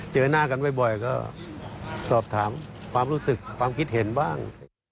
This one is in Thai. เจอหน้ากันบ่อยก็สอบถามความรู้สึกความคิดเห็นบ้าง